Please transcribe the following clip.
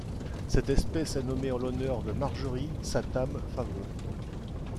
Cette espèce est nommée en l'honneur de Marjorie Statham Favreau.